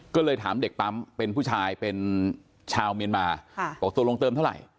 ก็เลยถามเด็กปั๊มเป็นผู้ชายเป็นชาวเมียนมาบอกตกลงเติมเท่าไหร่